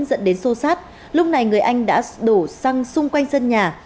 dẫn đến sâu sát lúc này người anh đã đổ xăng xung quanh sân nhà